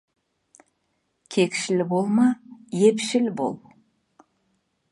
Кекшіл болма, епшіл бол.